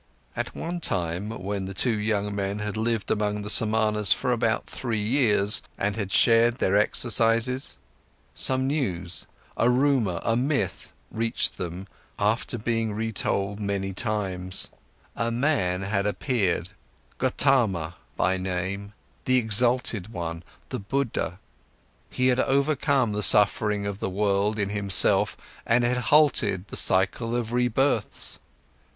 At one time, when the two young men had lived among the Samanas for about three years and had shared their exercises, some news, a rumour, a myth reached them after being retold many times: A man had appeared, Gotama by name, the exalted one, the Buddha, he had overcome the suffering of the world in himself and had halted the cycle of rebirths.